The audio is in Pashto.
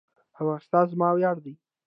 افغانستان زما ویاړ دی؟